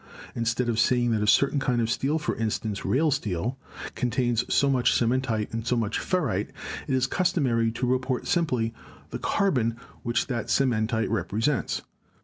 Instead of saying that a certain kind of steel, for instance rail steel, contains so much cementite and so much ferrite, it is customary to report simply the carbon which that cementite represents.